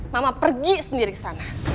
mama pergi sendiri ke sana